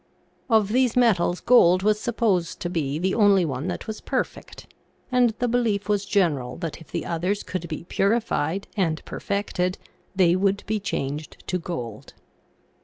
Of these metals gold was supposed to be the only one that was perfect, and the belief was general that if the others could be purified and perfected they would be changed to gold.